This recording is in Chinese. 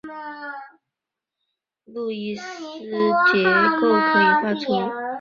路易斯结构可以画出表示分子中的共价键以及配位化合物。